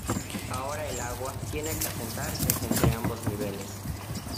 ahora el agua tiene que asentarse entre ambos niveles.